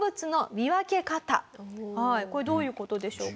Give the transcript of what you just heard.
これどういう事でしょうか？